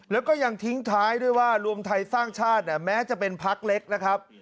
แล้วก็ยังทิ้งท้ายด้วยว่ารวมไทยสร้างชาติแม้จะเป็นพักเล็กนะครับ